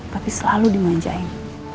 tapi selalu dimanjain